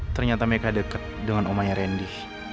ternyata mereka deket dengan om ma nya randy